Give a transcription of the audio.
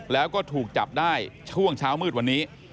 แล้วก็ถูกจับได้ช่วงเช้ามืดวันนี้